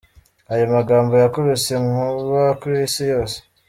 Ayo magambo yakubise inkuba kw’isi yose.